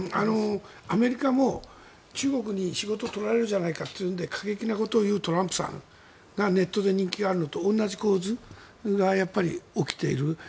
アメリカも中国に仕事を取られるんじゃないかというので過激なことを言うトランプさんがネットで人気があるのと同じ構図が起きている。